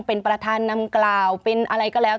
เป็นประธานนำกล่าวเป็นอะไรก็แล้ว